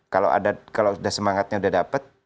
kalau ada kalau semangatnya sudah dapat